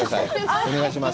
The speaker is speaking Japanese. お願いします。